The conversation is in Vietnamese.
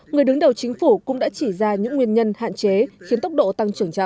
người đứng đầu chính phủ cũng đã chỉ ra những nguyên nhân hạn chế khiến tốc độ tăng trưởng chậm